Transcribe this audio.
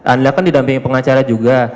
anda kan didampingi pengacara juga